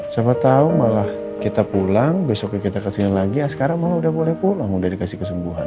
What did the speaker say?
siapa tahu malah kita pulang besoknya kita kesini lagi sekarang malah udah boleh pulang udah dikasih kesembuhan